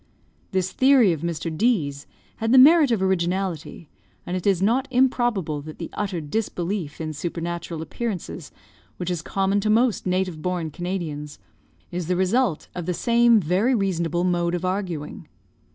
This theory of Mr. D 's had the merit of originality, and it is not improbable that the utter disbelief in supernatural appearances which is common to most native born Canadians, is the result of the same very reasonable mode of arguing.